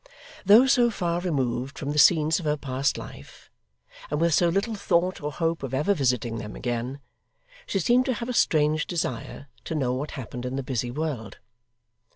Though so far removed from the scenes of her past life, and with so little thought or hope of ever visiting them again, she seemed to have a strange desire to know what happened in the busy world.